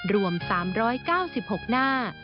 รวม๓๙๖หน้า